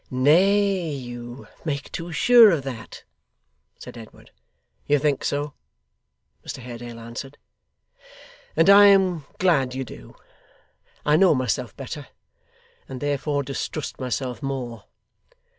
'Nay, you make too sure of that,' said Edward. 'You think so,' Mr Haredale answered, 'and I am glad you do. I know myself better, and therefore distrust myself more.